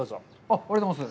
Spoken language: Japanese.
ありがとうございます。